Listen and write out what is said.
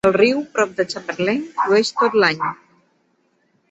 El riu prop de Chamberlain flueix tot l'any.